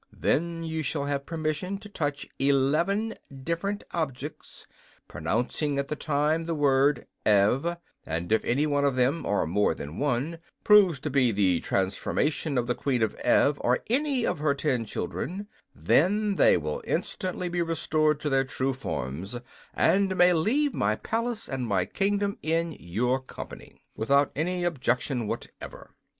Then you shall have permission to touch eleven different objects, pronouncing at the time the word 'Ev,' and if any one of them, or more than one, proves to be the transformation of the Queen of Ev or any of her ten children, then they will instantly be restored to their true forms and may leave my palace and my kingdom in your company, without any objection whatever.